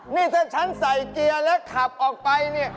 นี่ถ้าฉันใส่เกียร์แล้วขับออกไปเนี่ย